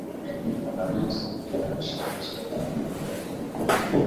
Walanguzi kuhatarisha maisha ya watoto walemavu